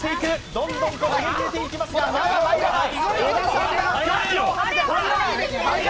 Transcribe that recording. どんどん入れていきますが、まだ入らない。